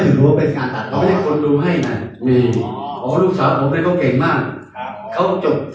เดี๋ยวทำไมถึงรู้ว่าเป็นการตัดต่อ